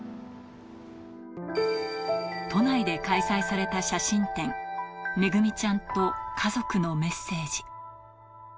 都内で開催された写真展、めぐみちゃんと家族のメッセージ。